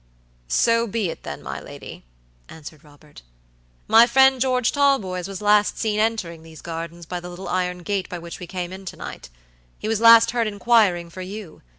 "So be it, then, my lady," answered Robert. "My friend George Talboys was last seen entering these gardens by the little iron gate by which we came in to night. He was last heard inquiring for you.